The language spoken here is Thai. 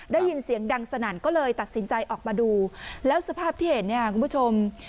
ได้ยินเสียงดังสนั่นก็เลยตัดสินใจออกมาดูแล้วสภาพที่เห็นเนี่ยคุณผู้ชม